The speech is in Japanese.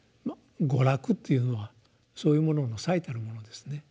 「娯楽」っていうのはそういうものの最たるものですね。